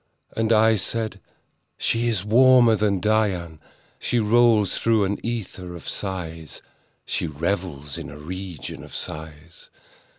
And I said—"She is warmer than Dian: She rolls through an ether of sighs— She revels in a region of sighs.